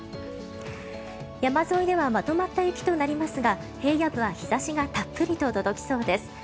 山沿いではまとまった雪となりますが平野部は日差しがたっぷりと届きそうです。